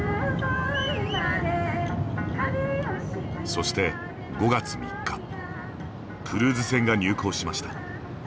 そして、５月３日クルーズ船が入港しました。